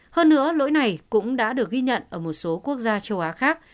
hơn nữa lỗi này cũng đã được ghi nhận ở một số quốc gia châu á khác